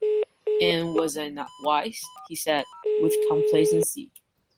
"And was I not wise?" he said, with complacency.